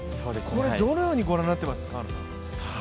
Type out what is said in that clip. これ、どのようにご覧になっていますか？